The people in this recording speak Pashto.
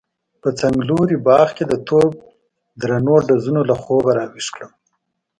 په څنګلوري باغ کې د توپ درنو ډزو له خوبه راويښ کړم.